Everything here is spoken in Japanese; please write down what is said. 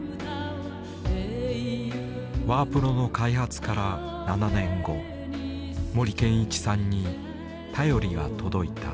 ワープロの開発から７年後森健一さんに便りが届いた。